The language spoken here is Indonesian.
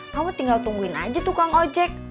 kamu tinggal tungguin aja tukang ojek